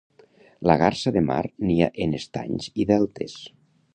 La garsa de mar nia en estanys i deltes.